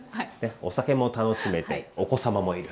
お酒も楽しめてお子様もいる。